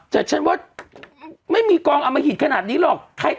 แต่ฉันว่าไม่มีกองอมหิตขนาดนี้หรอก